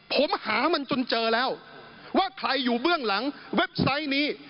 ผมหามันจนเจอแล้วว่าใครอยู่เบื้องหลังเว็บไซต์นี้